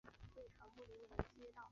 上原明里为日本女性声优。